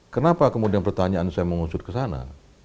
kenapa kemudian pertanyaan saya mengusut ke sana